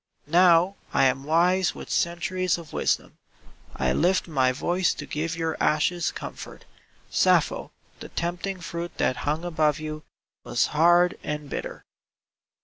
Now I am wise with centuries of wisdom. 1 lift my voice to give your ashes comfort: Sappho, the tempting fruit that hung above you Was hard and bitter.